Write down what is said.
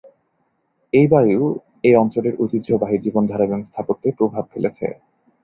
এই বায়ু এই অঞ্চলের ঐতিহ্যবাহী জীবনধারা এবং স্থাপত্যে প্রভাব ফেলেছে।